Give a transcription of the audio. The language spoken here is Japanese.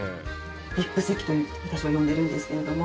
ＶＩＰ席と私は呼んでるんですけれども。